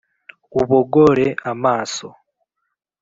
ubogore amaso,